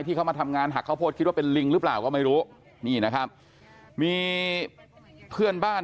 เข้ามาทำงานหักข้าวโพดคิดว่าเป็นลิงหรือเปล่าก็ไม่รู้นี่นะครับมีเพื่อนบ้าน